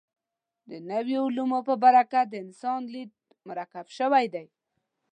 د نویو علومو په برکت د انسان لید مرکب شوی دی.